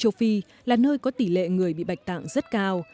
châu phi là nơi có tỷ lệ người bị bạch tạng rất cao